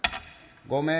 「ごめん。